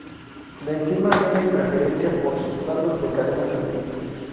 La enzima tiene preferencia por sustratos de cadena simple.